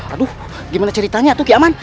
aduh gimana ceritanya tuh kiaman